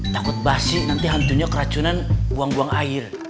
takut basi nanti hantunya keracunan buang buang air